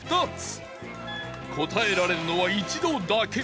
答えられるのは一度だけ